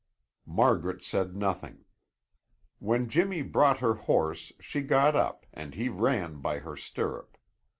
Margaret said nothing. When Jimmy brought her horse she got up and he ran by her stirrup.